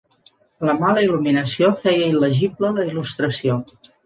La mala il·luminació feia il·legible la il·lustració.